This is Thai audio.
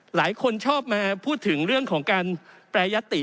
หลายคนชอบมาพูดถึงเรื่องของการแปรยติ